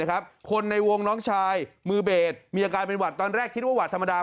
คนในวงน้องชายมือเบสมีอาการเป็นหวัดตอนแรกคิดว่าหวัดธรรมดา